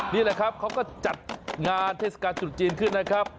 นี่แหละครับเขาก็จัดงานเทศกาลจุดจีนขึ้นนะครับ